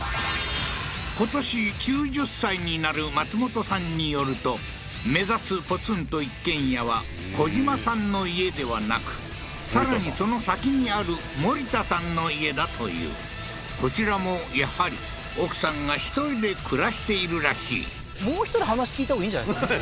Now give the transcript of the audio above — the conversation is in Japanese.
今年９０歳になる松本さんによると目指すポツンと一軒家はコジマさんの家ではなくさらにその先にあるモリタさんの家だというこちらもやはり奥さんが１人で暮らしているらしいもう一人話聞いたほうがいいんじゃないですか？